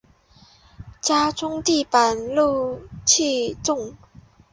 家中的地板露气重